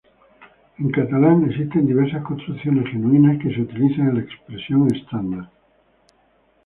En catalán existen diversas construcciones genuinas que se utilizan en la expresión estándar.